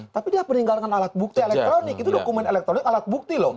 tapi dia meninggalkan alat bukti elektronik